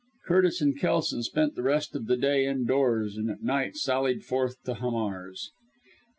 Curtis and Kelson spent the rest of the day indoors; and at night sallied forth to Hamar's.